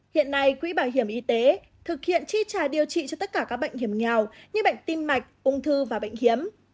hiện nay quỹ bảo hiểm y tế thực hiện chi trả điều trị cho tất cả các bệnh hiểm nghèo như bệnh tim mạch ung thư và bệnh hiếm